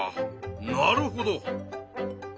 なるほど。